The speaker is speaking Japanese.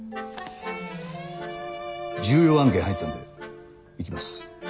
重要案件入ったので行きます。